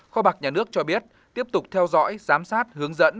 kho bạc nhà nước cho biết tiếp tục theo dõi giám sát hướng dẫn